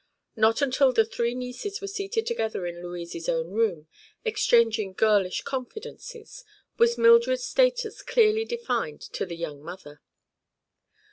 Not until the three nieces were seated together in Louise's own room, exchanging girlish confidences, was Mildred's status clearly defined to the young mother.